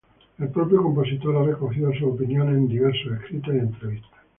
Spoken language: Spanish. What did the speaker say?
El propio compositor ha recogido sus opiniones en diversos escritos y entrevistas.